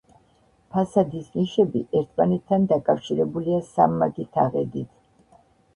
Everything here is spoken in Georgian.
ფასადის ნიშები ერთმანეთთან დაკავშირებულია სამმაგი თაღედით.